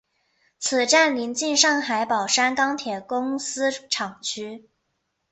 此站邻近上海宝山钢铁公司厂区。